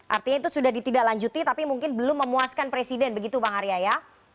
artinya itu sudah ditindaklanjuti tapi mungkin belum memuaskan presiden begitu bang arya ya